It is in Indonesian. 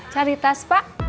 cari tas pak